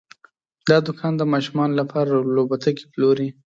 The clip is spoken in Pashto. دا دوکان د ماشومانو لپاره لوبتکي پلوري.